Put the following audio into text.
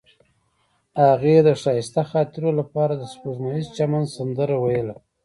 هغې د ښایسته خاطرو لپاره د سپوږمیز چمن سندره ویله.